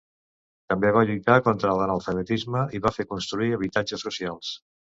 També va lluitar contra l'analfabetisme i va fer construir habitatges socials.